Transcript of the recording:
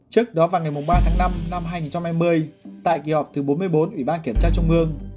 trước đó vào ngày ba tháng năm năm hai nghìn hai mươi tại kỳ họp thứ bốn mươi bốn ủy ban kiểm tra trung ương